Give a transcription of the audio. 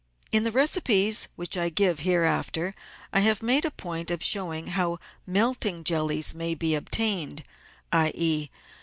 In the recipes which I give hereafter I have made a point of showing how melting jellies may be obtained, i.e.